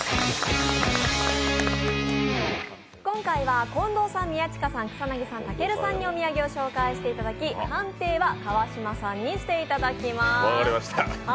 今回は、近藤さん、宮近さん、草薙さん、たけるさんにお土産を紹介していただき判定は川島さんにしていただきます。